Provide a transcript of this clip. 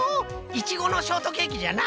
イチゴのショートケーキじゃな！